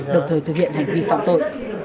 đồng thời thực hiện hành vi phạm tội